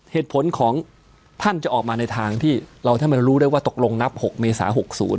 เหตุผลของท่านจะออกมาในทางที่เราท่านมารู้ได้ว่าตกลงนับ๖เมษา๖๐